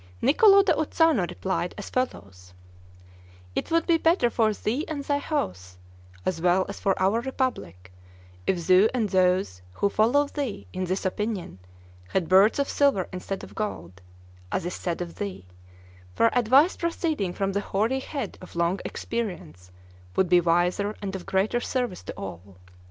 Niccolo da Uzzano replied as follows: "It would be better for thee and thy house, as well as for our republic, if thou and those who follow thee in this opinion had beards of silver instead of gold, as is said of thee; for advice proceeding from the hoary head of long experience would be wiser and of greater service to all.